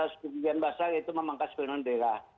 seperti yang bahasa itu memangkas pemerintahan daerah